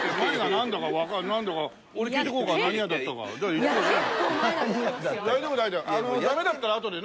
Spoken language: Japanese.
大丈夫大丈夫。